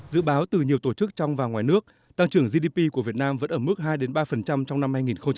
dự báo từ nhiều tổ chức trong và ngoài nước tăng trưởng gdp của việt nam vẫn ở mức hai ba trong năm hai nghìn hai mươi